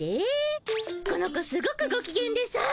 この子すごくごきげんでさ。